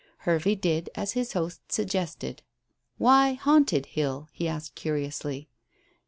Hervey did as his host suggested. "Why 'Haunted Hill'?" he asked curiously.